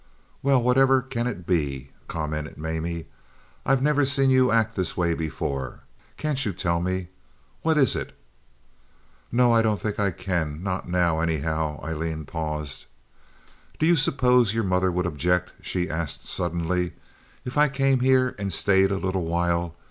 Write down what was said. "Well, whatever can it be?" commented Mamie. "I never saw you act this way before. Can't you tell me? What is it?" "No, I don't think I can—not now, anyhow." Aileen paused. "Do you suppose your mother would object," she asked, suddenly, "if I came here and stayed a little while?